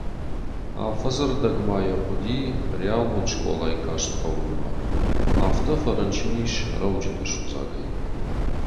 Афӕдзы ӕрдӕг ма йӕ хъуыди реалон скъолайы каст фӕуынмӕ, афтӕ фӕрынчын ис рӕуджыты судзагӕй.